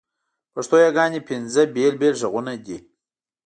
پښتو یاګاني پینځه بېل بېل ږغونه دي.